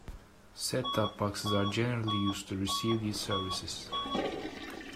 Set-top boxes are generally used to receive these services.